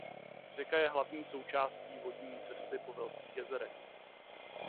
Řeka je hlavní součástí vodní cesty po "Velkých jezerech".